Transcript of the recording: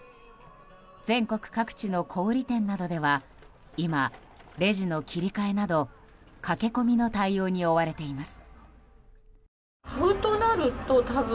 全国各地の小売店などでは今、レジの切り替えなど駆け込みの対応に追われています。